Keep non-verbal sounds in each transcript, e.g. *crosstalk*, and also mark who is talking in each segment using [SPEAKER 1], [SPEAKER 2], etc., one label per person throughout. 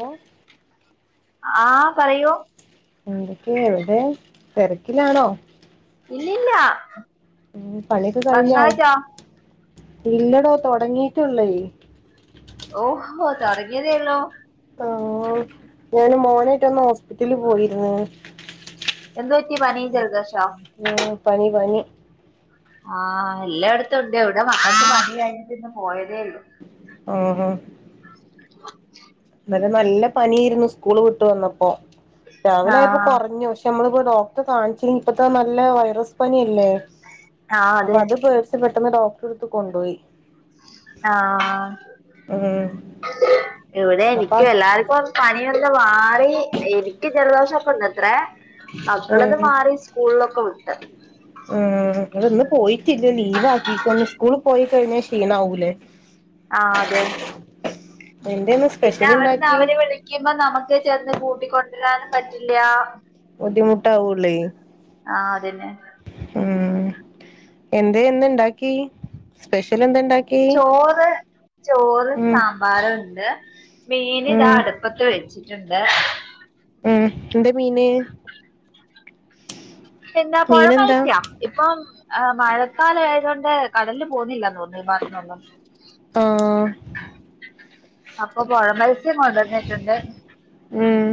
[SPEAKER 1] Law
[SPEAKER 2] ആഹ് പറയോ
[SPEAKER 1] എന്തൊക്കെയാ എവിടെ തിരക്കിലാണോ
[SPEAKER 2] ഇല്ലില്ല
[SPEAKER 1] ഉം പണിയൊക്കെ കഴിഞ്ഞോ
[SPEAKER 2] ഭക്ഷണം കഴിച്ചോ
[SPEAKER 1] ഇല്ലടോ തുടങ്ങീട്ടുള്ളേ
[SPEAKER 2] ഓഹോ തുടങ്ങിതോള്ളോ
[SPEAKER 1] ആഹ് ഞാന് മോനായിട്ടൊന്ന് ഹോസ്പിറ്റലില് പോയിരുന്ന്
[SPEAKER 2] എന്ത് പറ്റി പനിയും ജലദോഷവ
[SPEAKER 1] ഉം പനി പനി
[SPEAKER 2] ആഹ് എല്ലായിടത്തുണ്ട് ഇവിടെ മക്കക്ക് പനി ആയകൊണ്ടിന്ന് പോയതേയില്ല
[SPEAKER 1] ഉം ഹും ന്നലെ നല്ല പനിയാരുന്നു സ്കൂള് വിട്ട് വന്നപ്പോ രാവിലെ ആയപ്പോ
[SPEAKER 2] ആഹ്
[SPEAKER 1] കുറഞ്ഞു പക്ഷ നമ്മളിപ്പോ ഡോക്ടറെ കാണിച്ചേ ഇപ്പത്തെ നല്ല വൈറസ് പനിയല്ലേ
[SPEAKER 2] ആഹ്
[SPEAKER 1] അപ്പൊ
[SPEAKER 2] അതെ
[SPEAKER 1] അതിപ്പോ പെട്ടെന്ന് ഡോക്ടറെടുത്ത് കൊണ്ടോയി.
[SPEAKER 2] ആ
[SPEAKER 1] ഉം
[SPEAKER 2] ഇവിടെ
[SPEAKER 1] അപ്പൊ
[SPEAKER 2] എനിക്കും എല്ലാർക്കു പനിയൊന്ന് മാറി എനിക്ക് ജലദോഷം ഒപ്പണ്ട്ത്രേ മക്കളത്
[SPEAKER 1] ഉം
[SPEAKER 2] മാറി സ്കൂളിലൊക്കെ വിട്ട്
[SPEAKER 1] ഉം ങ്ങളിന്ന് പോയിട്ടില്ല. ലീവ് ആക്കിയേക്കാൻ സ്കൂളി പോയിക്കഴിഞ്ഞാൽ ക്ഷീണാവൂലേ?
[SPEAKER 2] ആ അതെ
[SPEAKER 1] എന്തേന്ന് സ്പെഷ്യൽ
[SPEAKER 2] പിന്നവിടുന്ന്
[SPEAKER 1] ഇണ്ടാക്കി
[SPEAKER 2] അവര് വിളി ക്കുമ്പം നമുക്ക് ചെന്ന് കൂട്ടിക്കൊണ്ടുവരാനും പറ്റില്ല.
[SPEAKER 1] ബുദ്ധിമുട്ടാവൂല്ലേ
[SPEAKER 2] ആഹ് അതന്നെ
[SPEAKER 1] ഉം എന്തേന്നിണ്ടാക്കി സ്പെഷ്യല് എന്തണ്ടാ
[SPEAKER 2] ചോറ് ചോറ്
[SPEAKER 1] ഉം
[SPEAKER 2] സാമ്പാറ് ണ്ട് മീനിതാ
[SPEAKER 1] ഉം
[SPEAKER 2] അടുപ്പത്ത് വെ വച്ചിട്ടുണ്ട്.
[SPEAKER 1] ഉം എന്ത മീന്?
[SPEAKER 2] എന്താ പുഴം
[SPEAKER 1] മീനെന്താ
[SPEAKER 2] മൻസിയാ? ഇപ്പം അ മഴക്കാലം ആയതുകൊണ്ട് കടലില് പോകുന്നില്ലന്ന് തോന്നുന്നു ഈ
[SPEAKER 1] ആഹ്
[SPEAKER 2] *inaudible* അപ്പൊ പുഴമത്സ്യം കൊണ്ടുവന്നിട്ടുണ്ട്.
[SPEAKER 1] ഉം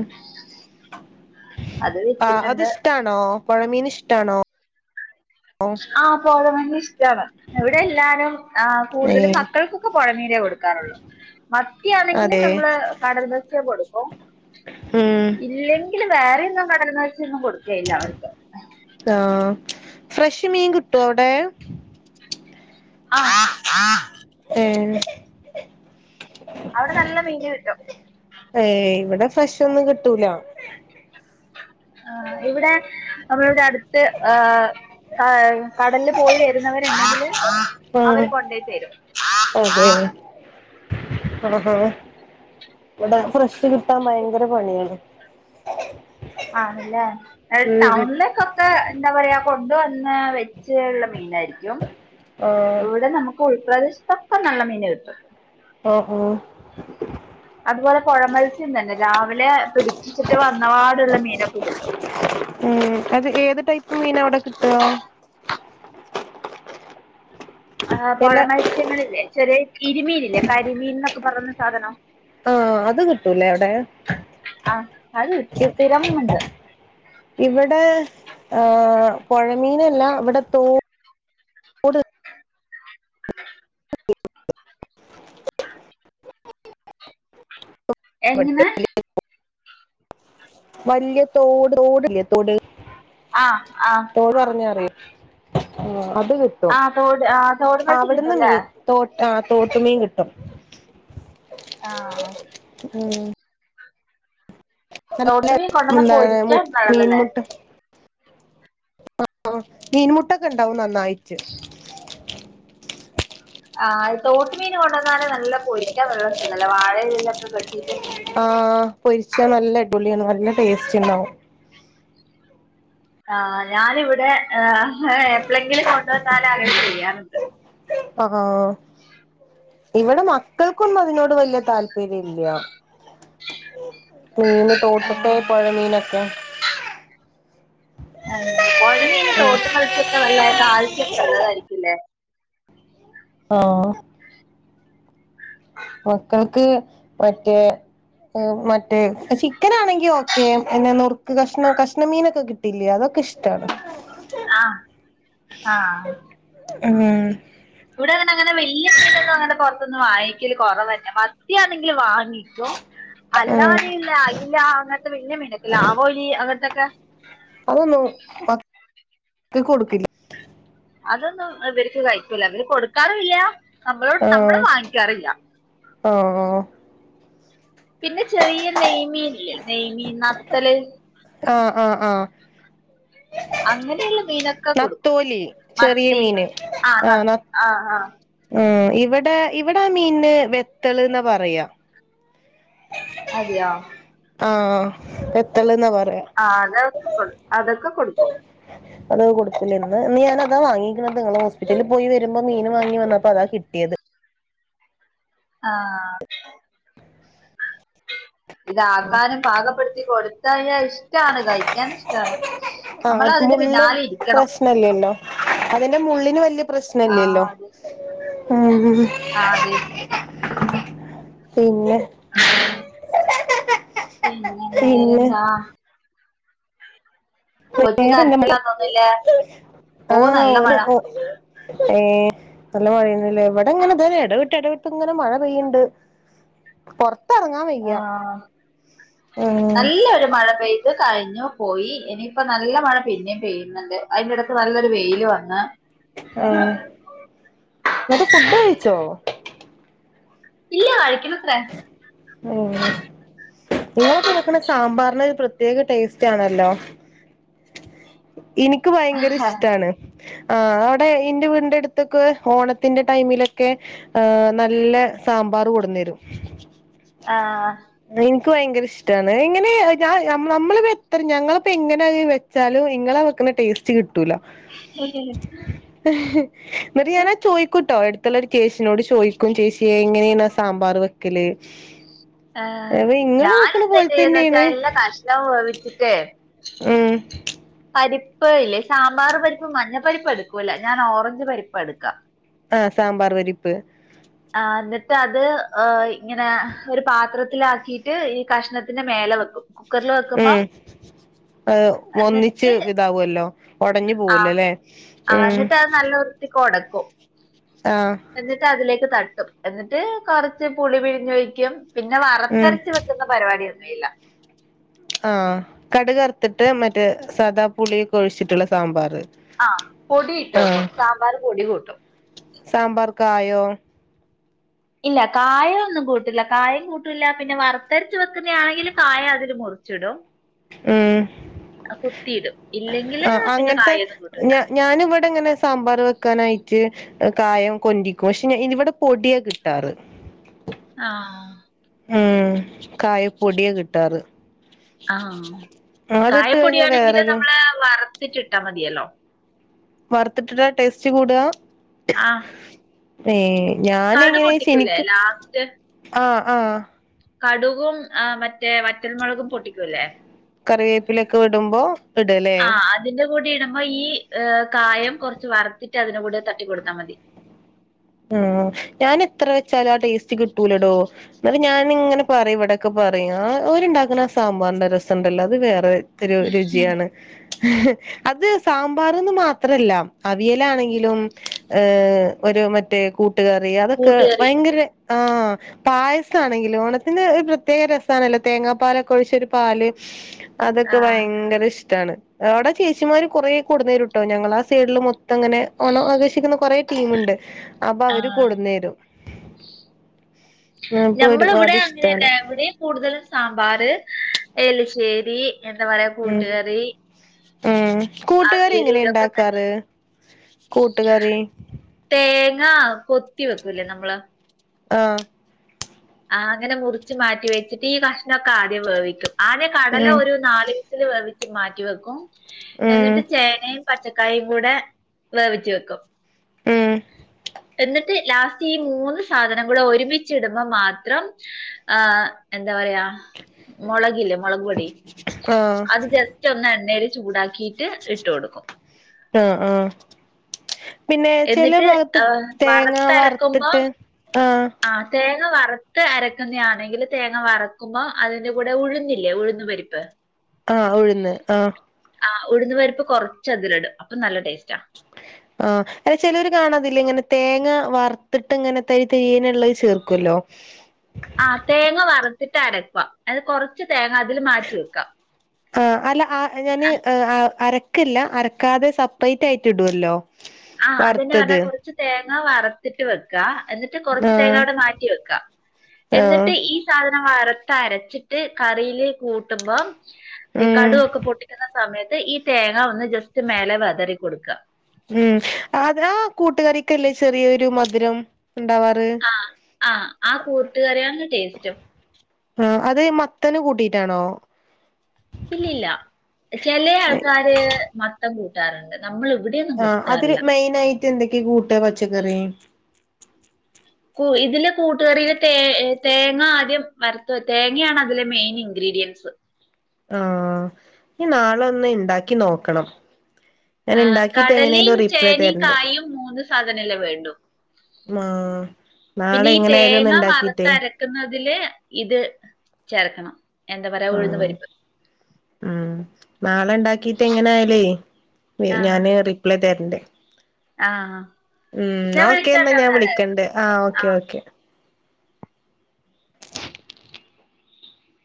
[SPEAKER 2] അത്
[SPEAKER 1] ആ
[SPEAKER 2] വെച്ചിട്ടുണ്ട്
[SPEAKER 1] അതിഷ്ടാണോ? പുഴമീൻ ഇഷ്ടാണോ?
[SPEAKER 2] ആ പുഴമീൻ ഇഷ്ടാണ്. ഇവിടെ എല്ലാരും ആ കൂടുതലും
[SPEAKER 1] ഏഹ്
[SPEAKER 2] മക്കൾക്കൊക്കെ പുഴമീനെ കൊടുക്കാറുള്ളൂ മത്തിയാണെങ്കില്
[SPEAKER 1] അതെ
[SPEAKER 2] നമ്മള് കടൽ മത്സ്യം കൊടുക്കും
[SPEAKER 1] ഉം
[SPEAKER 2] ഇല്ലെ ഇല്ല വേറെയൊന്നും കടലീന്ന് വച്ചൊന്നും കൊടുക്കയില്ല അവർക്ക്
[SPEAKER 1] ആ ഫ്രഷ് മീൻ കിട്ടുവോ അവിടെ?
[SPEAKER 2] ആ
[SPEAKER 1] ഏ
[SPEAKER 2] അവിടെ നല്ല മീന് കിട്ടും
[SPEAKER 1] ഏയ് ഇവിടെ ഫ്രഷ് ഒന്നും കിട്ടൂല?
[SPEAKER 2] ആ ഇവിടെഡാ നമ്മളിവുടടുത്ത് ഹ കടലിൽ പോയി വരുന്നവരെണ്ടെങ്കില്
[SPEAKER 1] ആഹ്
[SPEAKER 2] അവര് കൊണ്ടേയി തരും
[SPEAKER 1] അതെ ആഹഹ ഇവിടെ ഫ്രഷ് കി പ്പം ഭയങ്കരപണിയാണ്.
[SPEAKER 2] ആണല്ലേ അത്
[SPEAKER 1] ഉം
[SPEAKER 2] ടൗണിലേക്കെ ക്കാ എന്താ പറയാ കൊണ്ടുവന്ന് വെച്ചുള്ള മീന് ആയിരിക്കും
[SPEAKER 1] ആഹ്
[SPEAKER 2] ഇവിടെ നമു ഉൾപ്രദേശ്ത്തൊക്ക നല്ല മീന് കിട്ടും
[SPEAKER 1] ഓ ഓ
[SPEAKER 2] അതുപോലെ പുഴമത്സ്യം തന്നെ രാവിലെ പിടിച്ചിച്ചിട്ട് വന്നപാടുള്ള മീനൊക്കെ കിട്ടും
[SPEAKER 1] ഉം അത് ഏത് ടൈപ്പ് മീൻ അവിടെ കിട്ടുവോ?
[SPEAKER 2] ആ് പഴ
[SPEAKER 1] എല്ലാ
[SPEAKER 2] മത്സ്യങ്ങളില്ലേ ചെറിയ കിരിമീനില്ലേ കരിമീൻ എന്നൊക്കെ പറയുന്ന സാധനം.
[SPEAKER 1] ആഹ അത് കിട്ടൂലേ എവിടെ
[SPEAKER 2] ആഹ് അത് സ്ഥിരം ഉണ്ട്
[SPEAKER 1] ഇവിടെ ഹ് പുഴമീനല്ല ഇവിടെ തോ
[SPEAKER 2] എങ്ങനെ
[SPEAKER 1] *unintelligible* വലിയത്തോട് തോട് വല്യത്തോട്
[SPEAKER 2] ആഹ ആഹ
[SPEAKER 1] ഓള് പറ്ഞ്ഞ അറിയും ആഹ് അത് കി
[SPEAKER 2] ആ തോട് ആ തോട് മത്സ്യം കിട്ടുംല്ലേ?
[SPEAKER 1] തോട്ട് ആ തോട്ടുമീൻ കിട്ടും
[SPEAKER 2] ആഹ
[SPEAKER 1] ഉം നല്ല
[SPEAKER 2] തോട്ടുമീ കൊണ്ടുവന്നപ്പോ
[SPEAKER 1] എന്താണ് മു
[SPEAKER 2] ഒരിക്കാൻ നന്നല്ലേ?
[SPEAKER 1] ആ നീൻമുട്ടൊക്കെ ഉണ്ടാവും നന്നായിട്
[SPEAKER 2] ആ തോട്ട്മീൻ കൊണ്ടുവന്നാലെ നല്ല പൊരിക്കാൻ ന്നല്ല സഖംല്ല വാഴളിലൊക്കെ കെട്ടിട്ട്
[SPEAKER 1] ആ പൊരിച്ചാ നല്ല ഇടിപൊളിയാണ് നല്ല ടേസ്റ്റ് ഉണ്ടാവും.
[SPEAKER 2] ആ് ഞാനിവിടെ എപ്പോഴെങ്കിലും കൊണ്ടുവന്നാലും അങ്ങനെ ചെയ്യാറുണ്ട്.
[SPEAKER 1] ആഹാ ഇവിടെ മക്കൾക്കൊന്നും അതിനോട് വല്ല്യ താൽ പര്യല്ല മീന് തോട്ടട്ടെ പൊഴ മീനൊക്കെ.
[SPEAKER 2] ആഹ് പൊഴമീൻ തോട്ട് മത്സ്യക്കെ നല്ല കാൽസ്യംക്കെ ഉള്ളതായിരിക്കുല്ലേ.
[SPEAKER 1] ആഹ്.
[SPEAKER 2] *inaudible*
[SPEAKER 1] മക്കൾക്ക് മറ്റേ. അ് മറ്റേ ചിക്കനാണെങ്കി ഓക്കെ എന്നെ നുർ ക്ക് കഷ്ണ കഷ്ണമീനൊക്കെ കിട്ടിലേ അതൊക്കെ ഇഷ്ടാണ്.
[SPEAKER 2] ആഹ് ആഹ്.
[SPEAKER 1] ഉം.
[SPEAKER 2] ഇവിടെ അങ്ങനങ്ങനെ വല്ല്യ *unintelligible* ത്തൊന്നു അങ്ങട് പൊത്ത്ന്ന് വാങ്ങിക്കല് കൊറവെന്നെ മത്തിയാണെങ്കില് വാങ്ങികും.
[SPEAKER 1] ഉം
[SPEAKER 2] അല്ലാതീല്ല അയ്ല അങ്ങൻത്തെ വല്ല്യ മീനൊക്കല്ല ആവോലി അങ്ങൻത്തൊക്കെ.
[SPEAKER 1] അതൊന്നും അത് കൊട്ക്കില്ല
[SPEAKER 2] അതൊന്നും ഇവര്ക്ക് കഴിക്കൂല ഇവര് കൊടുക്കാറില്ല നമ്മളോട് നമ്മള്
[SPEAKER 1] ആഹ്
[SPEAKER 2] വാങ്ങിക്ക്യാറില്ല.
[SPEAKER 1] ആഹ്.
[SPEAKER 2] പിന്നെ ചെറിയ നെയ്മീൻല്ലെ നെയ്മീ നത്തല്.
[SPEAKER 1] ആഹ് ആഹ് ആഹ്.
[SPEAKER 2] അങ്ങനെയുള്ള മീനൊക്കെ കൊടുക്കും
[SPEAKER 1] നത്തോലി ചെറിയ
[SPEAKER 2] മത്തി
[SPEAKER 1] മീന്
[SPEAKER 2] ആ ആ ആഹ്.
[SPEAKER 1] ഉം ഇവിടെ ഇവിടൊ മീൻന് വെത്തള് ന്നാ പറയാ.
[SPEAKER 2] അതെയോ.
[SPEAKER 1] ആഹ് ആ വെത്തള് ന്നാ പറയാ.
[SPEAKER 2] ആഹ് അതൊക്കെ അതൊക്കെ കൊടുക്കും.
[SPEAKER 1] അത് കൊടുത്തില്ലന്ന് ന്ന്ഞാനതാ വാങ്ങിക്കണത് ങ്ങള് ഹോസ്പിറ്റൽല് പോയി വരുമ്പം മീന് വാങ്ങി വന്നപ്പതാ കിട്ട്യത്.
[SPEAKER 2] ആഹ്. ഇതാക്കാനും പാകപ്പെടുത്തി കൊടുത്തയ്ഞ ഇഷ്ടാണ് കഴിക്ക്യാൻ ഇഷ്ടാണ്. നമ്മളതിന്റെ പിന്നാലെ ഇരിക്കണം.
[SPEAKER 1] ണല്ലല്ലോ അതിന്റെ മുള്ളിന് വല്ല്യ.
[SPEAKER 2] ആ
[SPEAKER 1] പ്രശ്നല്ലല്ലോ
[SPEAKER 2] അതെ
[SPEAKER 1] ഉം.
[SPEAKER 2] ആ അതെ
[SPEAKER 1] പിന്നെ.
[SPEAKER 2] പിന്നെ
[SPEAKER 1] പിന്നെ
[SPEAKER 2] വേറെന്താ. കൊച്ച്
[SPEAKER 1] വേറെന്താ മഴ
[SPEAKER 2] കര്ച്ചില്ലാ തോന്നില്ലേ ഓ
[SPEAKER 1] ആഹ്
[SPEAKER 2] നല്ല
[SPEAKER 1] ഓന്
[SPEAKER 2] മഴ.
[SPEAKER 1] ഓ ഏഹ് നല്ല മഴേണ് ലേ വടെങ്ങനെ ത എടവി ട്ടെടവിട്ട്ങ്ങനെ മഴ പെയ്യണ്ട് പൊർ ത്തെർങ്ങാ
[SPEAKER 2] ആ
[SPEAKER 1] വയ്യ ഉം.
[SPEAKER 2] നല്ലൊരു മഴ പെയ്ത് കഴിഞ്ഞു പോയി ഇനിയിപ്പോ നല്ല മഴ പിന്നെം പെയ്യുന്ന്ണ്ട് അതിന്റെടു ട്ട് നല്ലൊരു വെയില് വന്ന്.
[SPEAKER 1] ആഹ് ന്നട്ട് ഫുഡ് കഴിച്ചോ.
[SPEAKER 2] ഇല്ല കഴിക്കണത്രേ.
[SPEAKER 1] ഉം. ഇങ്ങളൊക്കെ വെക്കണ സാമ്പാർന് ഒരു പ്രത്യേക ടേസ്റ്റാണല്ലോ. ഇനിക്ക് ഭയങ്കരഷ്ടാണ്. ആഹ് ആടെ ഇന്റെ വീടിന്റെട്ത്തൊക്കെ ഓണത്തിന്റെ ടൈമിലൊക്കെ. ഏഹ് നല്ല സാമ്പാറ് കൊടുന്നരും.
[SPEAKER 2] ആഹ്.
[SPEAKER 1] വെ എൻക്ക് ഭയങ്കര ഇഷ്ടാണ് എങ്ങനെ ഞ നമ്മ നമ്മളിപ്പത്ര ഞങ്ങളപ്പ എങ്ങനെവ് വെ ച്ചാലു ഇങ്ങള വെക്ക്ണ ടേസ്റ്റ് കിട്ടൂല.
[SPEAKER 2] *unintelligible*
[SPEAKER 1] ഇഹ്. ന്നട്ട് ഞാനാ ചോയ്ക്കൂട്ടോ എട്ത്ത്ള്ളരു ചേച്ചിനോട് ചോയിക്കും ചേച്ചിയേ എങ്ങനെയാണ് സാമ്പാറ് വെക്കല്.
[SPEAKER 2] ആഹ്
[SPEAKER 1] അപ്പൊ ഇങ്ങള് വെക്കണ
[SPEAKER 2] ഞാനെന്താ
[SPEAKER 1] പോലെ
[SPEAKER 2] ചെയ്യന്ന് വെച്ചാ
[SPEAKER 1] തന്നെയാണ്
[SPEAKER 2] എല്ലാ കഷ്ണവും വേവിച്ചിട്ടേ.
[SPEAKER 1] ഉം
[SPEAKER 2] പരിപ്പ് ഇല്ലേ സാമ്പാർ പരിപ്പും മഞ്ഞപ്പരിപ്പ് എടുക്കൂല്ല ഞാൻ ഓറഞ്ച് പരിപ്പാ എടുക്കാ
[SPEAKER 1] ആഹ് സാമ്പാറ് പരിപ്പ്
[SPEAKER 2] ആ എന്നിട്ട് അത് ഇങ്ങനെ ഒരു പാത്രത്തിലാക്കിട്ട് ഈ കഷ്ണത്തിന്റെ മേല വെക്കും കുക്കറിൽ വെക്കുമ്പോ
[SPEAKER 1] ഉം ആ ഒന്നി ച്ച്
[SPEAKER 2] എന്നിട്ട്
[SPEAKER 1] ഇതാവല്ലോ ഒടഞ്ഞു
[SPEAKER 2] ആ
[SPEAKER 1] പോവൂലല്ലേ ഉം
[SPEAKER 2] ത്തി കൊടക്കും
[SPEAKER 1] ആഹ്
[SPEAKER 2] എന്നിട്ട് അതിലേക്ക് തട്ടും എന്നിട്ട് കൊറച്ച് പുളി പിഴിഞ്ഞൊഴിക്കും പിന്ന
[SPEAKER 1] ഉം
[SPEAKER 2] വറ്ത്തരച്ച് വെക്കുന്ന പരുവാടിയൊന്നു ഇല്ല
[SPEAKER 1] ആഹ് കടുകറുത്തിട്ട് മറ്റേ സാദാ പുളിയക്കൊഴിച്ചിട്ടുള്ള സാമ്പാറ്
[SPEAKER 2] ആഹ് പൊടി ഇട്ട് വെക്കും സാമ്പാറ് പൊടി കൂട്ടും
[SPEAKER 1] സാംമ്പാർക്കായോ
[SPEAKER 2] ഇല്ല കായം ഒന്നു കൂട്ടില്ല കായം കൂട്ടൂല്ല പിന്ന വറ്ത്തരച്ച് വെക്കുന്ന ആണെങ്കില് കായം അതിൽ മുർ ച്ചിടും
[SPEAKER 1] ഉം
[SPEAKER 2] ഇല്ലെങ്കില്
[SPEAKER 1] ആ
[SPEAKER 2] പിന്നെ
[SPEAKER 1] അങ്ങൻത്ത
[SPEAKER 2] കായൊന്നും കൂട്ടൂല്ല.
[SPEAKER 1] ഞാനും ഇവിടങ്ങന സാംമ്പാറ് വെക്കാനായിട്ട് കായം കൊണ്ടിക്കോക്ഷ്നെ ഇതിവിട പൊടിയാ കിട്ടാറ്
[SPEAKER 2] ആഹ്
[SPEAKER 1] ഉം കായ പൊടിയ കിട്ടാറ്
[SPEAKER 2] ആഹ് കായ
[SPEAKER 1] അതിട്ട് കഴിഞ്ഞാ
[SPEAKER 2] പ്പൊടിയാണെങ്കില്
[SPEAKER 1] വേറൊരു
[SPEAKER 2] നമ്മള് വറുത്തിട്ട് ഇട്ടാ മതിയല്ലോ
[SPEAKER 1] വറുത്തിട്ടിട്ട ടേസ്റ്റ് കൂടുക
[SPEAKER 2] ആഹ്
[SPEAKER 1] ഏ ഞാൻ
[SPEAKER 2] കടു
[SPEAKER 1] ഇങ്ങനെ
[SPEAKER 2] പൊട്ടിക്കൂലേ
[SPEAKER 1] ശെനിക്ക്
[SPEAKER 2] ലാസ്റ്റ്
[SPEAKER 1] ആഹ് ആഹ്
[SPEAKER 2] കടുകും ആ മറ്റേ വറ്റൽമൊളകും പൊട്ടിക്കൂലെ
[SPEAKER 1] കറിവേപ്പിലക്കെ ഇടുംമ്പോ ഇടൂലെ
[SPEAKER 2] ഇതിന്റെ കൂടി ഇടുമ്പോ ഈഹ് കായം കൊർച്ച് വറുത്തിട്ട് അതിന്റെ കൂടെ തട്ടി കൊടുത്താ മതി
[SPEAKER 1] ഉം ഞാൻ എത്ര വെച്ചാലും ആ ടേസ്റ്റ് കിട്ടൂലടോ അത് ഞാനിങ്ങനെ പറയും ഇവിടക്കെ പറയും ഓര്ണ്ടാക്കണ സാമ്പാറിന്റെ രസംണ്ടല്ലോ അത് വേറെ ത്തൊരു രുചിയാണ് അത് സാംമ്പാറ്ന്ന് മാത്രല്ല അവിയലാണെങ്കിലും ഹ് ഒരു മറ്റ് റ്റേ കൂട്ടുകറി അതൊക്കെ
[SPEAKER 2] കൂട്ടുകറി
[SPEAKER 1] ഭയങ്കര ആഹ് പായസാണെങ്കിലും ഓണത്തിന് ഒരു പ്രത്യേക രസാണല്ലോ തേങ്ങാ പാലൊക്കെ ഒഴിച്ചൊരു പാല് അതൊക്കെ
[SPEAKER 2] ആഹ്
[SPEAKER 1] ഭയങ്കര ഇഷ്ടാണ് അവിടെ ചേച്ചിമാര് കൊറേ കൊടുന്നേരൂട്ടോ ഞങ്ങളാ സൈഡില് മൊത്തം അങ്ങനെ ഓണം ആഘോഷിക്കുന്ന കൊറേ ടീമുണ്ട് അപ്പൊ അവര്
[SPEAKER 2] ആഹ്
[SPEAKER 1] കൊടുന്നേരും അപ്പൊ
[SPEAKER 2] ഞമ്മളു
[SPEAKER 1] ഒരുപാട്
[SPEAKER 2] ഇവിടെ
[SPEAKER 1] ഇഷ്ടാണ്
[SPEAKER 2] അങ്ങനയന്നെ ഇവിടെയും കൂടുതലും സാമ്പാറ് എള്ശേരി എന്താ പറയാ
[SPEAKER 1] ഉം
[SPEAKER 2] കൂട്ടുകറി
[SPEAKER 1] ഉം കൂട്ടുകറി
[SPEAKER 2] അവിയല്
[SPEAKER 1] എങ്ങനെയാ
[SPEAKER 2] ഇതൊക്കെ തന്നെ
[SPEAKER 1] ഇണ്ടാക്കാറ് കൂട്ടുകറി
[SPEAKER 2] തേങ്ങാ കൊത്തി വെക്കൂല്ലേ നമ്മള്
[SPEAKER 1] ആഹ്
[SPEAKER 2] ആ അങ്ങനെ മുറിച്ച് മാറ്റി വെച്ചിട്ട് ഈ കഷ്ണൊക്ക ആദ്യം വേവിക്കും ആദ്യം കടല
[SPEAKER 1] ഉം
[SPEAKER 2] ഒരു നാല് വിസ് ത്തില് വേവിച്ച് മാറ്റി വെക്കും
[SPEAKER 1] ഉം
[SPEAKER 2] എന്നിട്ട് ചേനയും പച്ച ക്കായും കൂടെ വേവിച്ച് വെക്കും
[SPEAKER 1] ഉം
[SPEAKER 2] എന്നിട്ട് ലാസ്റ്റ് ഈ മൂന്ന് സാധനം കൂടെ ഒരുമിച്ച് ഇടുംമ്പ മാ ത്രം ആ എന്താ പറയാ മൊളഗില്ലേ മൊളക് പൊടി
[SPEAKER 1] ആഹ്
[SPEAKER 2] അത് ജസ് റ്റൊന്ന് എണ്ണേല് ചൂടാക്കീട്ട് ഇട്ട് കൊടുക്കും
[SPEAKER 1] ആ ആ പിന്നെ ചെല
[SPEAKER 2] എന്നിട്ട്
[SPEAKER 1] ഭാഗത്ത്
[SPEAKER 2] ഏഹ്
[SPEAKER 1] തേങ്ങ വറുത്തിട്ട് ആഹ്
[SPEAKER 2] ആഹ് തേങ്ങ വറുത്ത് അരക്കുന്നെ ആണെങ്കിൽ തേങ്ങ വറക്കുമ്പോ അതിന്റെ കൂടെ ഉഴുന്നില്ലേ ഉഴന്ന് പരിപ്പ്
[SPEAKER 1] ആഹ് ഉഴുന്ന് ആഹ്
[SPEAKER 2] ആ ഉഴുന്ന് പരിപ്പ് കൊറച്ച് അതിലിടും അപ്പൊ നല്ല ടേസ്റ്റാ
[SPEAKER 1] *unintelligible* ആഹ് അല്ല ചെലവര് കാണതില്ലേ ഇങ്ങനെ തേങ്ങ വറുത്തിട്ട് ഇങ്ങനെ തരി തരിയേനള്ളത് ചേർക്കുവല്ലോ *inaudible*
[SPEAKER 2] ആഹ് തേങ്ങ വറുത്തിട്ട് അരക്കുവാ അത് കൊറച്ച് തേങ്ങ അതില് മാറ്റി വെക്കാം
[SPEAKER 1] ആഹ് അല്ല ആ ഞാന് അ ആ അരക്കില്ല അരക്കാതെ സപ്പറേറ്റ് ആയിട്ട് ഇടുവല്ലോ
[SPEAKER 2] ആഹ് അതന്നെ പറഞ്ഞാ
[SPEAKER 1] വറുത്തത്
[SPEAKER 2] കുറച്ച് തേങ്ങ വറുത്തിട്ട് വെക്കാ അന്ന് ട്ട് കൊറച്ച് തേങ്ങ
[SPEAKER 1] ആഹ്
[SPEAKER 2] അവിടെ മാറ്റി വെക്കാ
[SPEAKER 1] ആഹ്
[SPEAKER 2] എന്നിട്ട് ഈ സാധനം വറുത്തരച്ചിട്ട് കറിയില് കൂട്ടുമ്പം ഈ
[SPEAKER 1] ഉം
[SPEAKER 2] കടുവൊക്കെ പൊട്ടിക്കുന്ന സമയത്ത് ഈ തേങ്ങ ഒന്ന് ജസ്റ്റ് മേലെ വെതറി കൊടുക്ക
[SPEAKER 1] ഉം അതാ കൂട്ടുകറിക്കല്ലേ ചെറിയൊരു മധുരം ണ്ടാവാ
[SPEAKER 2] ആഹ് ആഹ് ആ കൂട്ട് കറിയാണ് ടേസ്റ്റും
[SPEAKER 1] ആഹ് അത് മത്തന് കൂട്ടിട്ടാണോ?
[SPEAKER 2] ഇല്ലില്ല ചെലേ ആൾക്കാര് മത്തൻ കൂട്ടാറുണ്ട് നമ്മൾ ഇവിട്
[SPEAKER 1] ആഹ് അതില് മെയിനായിട്ട് എന്തൊക്കെയ കൂട്ട പച്ചക്കറി?
[SPEAKER 2] കൂ ഇതില് കൂട്ടുകറിയില് തേ തേങ്ങ ആദ്യം വറത്ത് തേങ്ങയാണ് അതിലെ മെയിൻ ഇൻഗ്രീഡിയൻസ്
[SPEAKER 1] ആഹ് ഈ നാളെ ഒന്ന് ഇണ്ടാക്കി നോക്കണം ഞാൻ
[SPEAKER 2] ആഹ്
[SPEAKER 1] ഇണ്ടാക്കിട്ട്
[SPEAKER 2] കടലേം,
[SPEAKER 1] എങ്ങനെലും റിപ്ലൈ
[SPEAKER 2] ചേനേം,
[SPEAKER 1] തരണ്ട്
[SPEAKER 2] കായും മൂന്ന് സാധനല്ലേ വേണ്ടു?
[SPEAKER 1] മാ നാളെ എങ്ങനെ ആയാലും ഒന്ന് ഉണ്ടാക്കിട്ടേ
[SPEAKER 2] വെക്കുന്നതില് ഇത് ചേർക്കണം എന്താ പറയാ
[SPEAKER 1] ആഹ്
[SPEAKER 2] ഉഴുന്ന് പരിപ്പ്.
[SPEAKER 1] ആഹ് നാളെ ഉണ്ടാക്കിയിട്ട് എങ്ങനായാലുവേ വേ
[SPEAKER 2] ആഹ്
[SPEAKER 1] ഞാന് റിപ്ലൈ തരണ്ട്
[SPEAKER 2] ആഹ്
[SPEAKER 1] ഉം ന്നാ
[SPEAKER 2] ഞാൻ
[SPEAKER 1] ഓക്കേ അന്നാ
[SPEAKER 2] വിളിക്കാട്ടോ
[SPEAKER 1] ഞാൻ
[SPEAKER 2] ഇന്നാള്.
[SPEAKER 1] വിളിക്കണ്ട് ആ ഓക്കേ ഓക്കേ